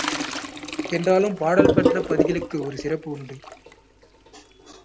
என்றாலும் பாடல் பெற்ற பதிகளுக்கு ஒரு சிறப்பு உண்டு.